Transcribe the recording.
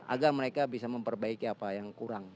agar mereka bisa memperbaiki apa yang kurang